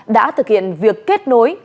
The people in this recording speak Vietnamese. đã thực hiện việc kết nối